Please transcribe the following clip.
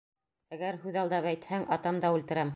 Әгәр һүҙ алдап әйтһәң, атам да үлтерәм!